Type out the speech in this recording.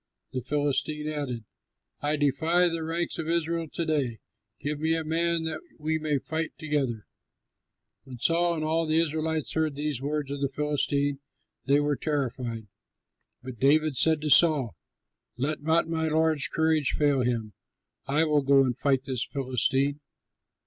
The Philistine added, "I defy the ranks of Israel to day; give me a man that we may fight together." When Saul and all the Israelites heard these words of the Philistine, they were terrified. But David said to Saul, "Let not my lord's courage fail him; I will go and fight this Philistine."